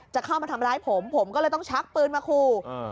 จะเข้ามาทำร้ายผมผมก็เลยต้องชักปืนมาขู่